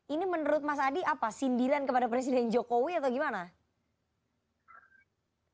ini menurut mas adi apa sindiran kepada presiden jokowi atau gimana